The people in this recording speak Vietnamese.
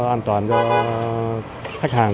an toàn cho khách hàng